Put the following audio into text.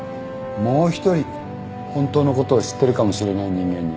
もう一人本当のことを知ってるかもしれない人間に。